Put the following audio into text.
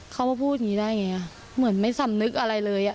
เขามาพูดอย่างนี้ได้ไงเหมือนไม่สำนึกอะไรเลย